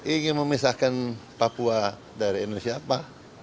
ingin memisahkan papua dari indonesia apa